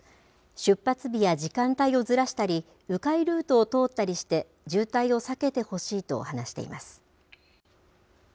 出発日や時間帯をずらしたり、う回ルートを通ったりして、渋滞を避けてほしいと話しています。